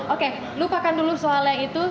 oke lupakan dulu soalnya itu